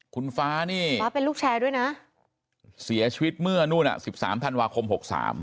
คุณฟ้านี่ฟ้าเป็นลูกแชร์ด้วยนะเสียชีวิตเมื่อนู่นอ่ะ๑๓ธันวาคม๖๓